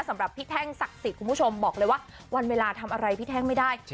สำหรับพี่แท่งศักดิ์สิทธิ์คุณผู้ชมบอกเลยว่าวันเวลาทำอะไรพี่แท่งไม่ได้